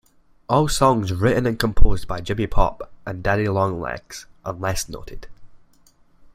All songs written and composed by Jimmy Pop and Daddy Long Legs unless noted.